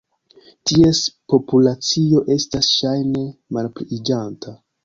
Ties populacio estas ŝajne malpliiĝanta.